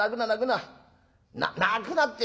なっ泣くなって。